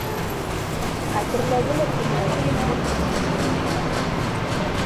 Хәтерләге лә килмәй инде, ҡот осҡос минуттарҙы.